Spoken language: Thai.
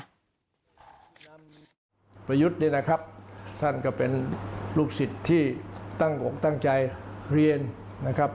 ประยุทธ์เนี่ยนะครับท่านก็เป็นลูกศิษย์ที่ตั้งอกตั้งใจเรียนนะครับ